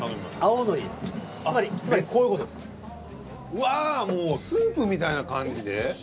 うわぁもうスープみたいな感じで？